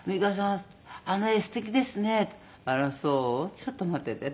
ちょっと待っていて」って。